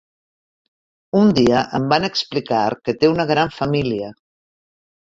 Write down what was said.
Un dia em van explicar que té una gran família.